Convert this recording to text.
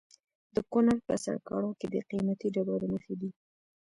د کونړ په سرکاڼو کې د قیمتي ډبرو نښې دي.